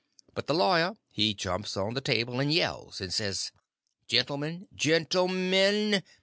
But the lawyer he jumps on the table and yells, and says: "Gentlemen—gentle_men!